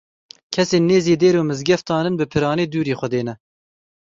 Kesên nêzî dêr û mizgeftan in bi piranî dûrî Xwedê ne.